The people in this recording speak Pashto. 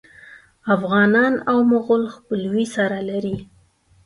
افغانان او مغول خپلوي سره لري.